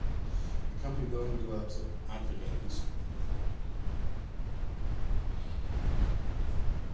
The company no longer develops advergames.